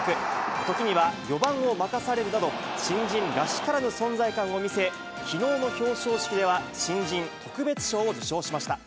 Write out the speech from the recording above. ときには４番を任されるなど、新人らしからぬ存在感を見せ、きのうの表彰式では新人特別賞を受賞しました。